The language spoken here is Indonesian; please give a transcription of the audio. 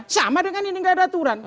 sama dengan ini nggak ada aturan